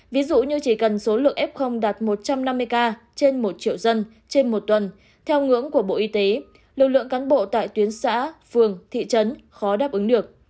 ví dụ như chỉ cần số lượng f đạt một trăm năm mươi ca trên một triệu dân trên một tuần theo ngưỡng của bộ y tế lực lượng cán bộ tại tuyến xã phường thị trấn khó đáp ứng được